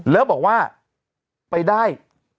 แล้วบอกว่าไปได้